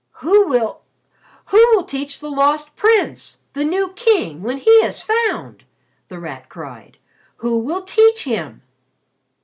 "Who will who will teach the Lost Prince the new King when he is found?" The Rat cried. "Who will teach him?"